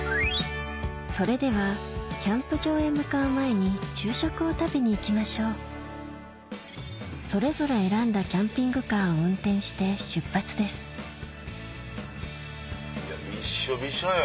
それではキャンプ場へ向かう前に昼食を食べに行きましょうそれぞれ選んだキャンピングカーを運転してびっしょびしょよ！